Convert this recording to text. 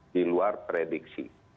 di luar prediksi